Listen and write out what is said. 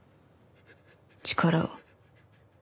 力を。